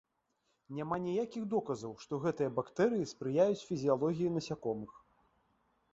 Няма ніякіх доказаў, што гэтыя бактэрыі спрыяюць фізіялогіі насякомых.